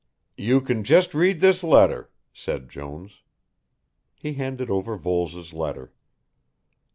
"You can just read this letter," said Jones. He handed over Voles' letter.